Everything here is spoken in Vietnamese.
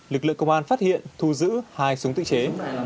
lực lượng công an phát hiện thu giữ hai súng tự chế